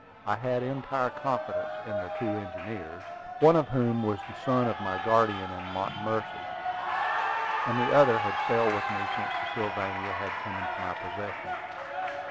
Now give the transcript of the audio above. I had entire confidence in the two engineers, one of whom was the son of my guardian in Montomercy, and the other had sailed with me since the Sylvania had come into my possession.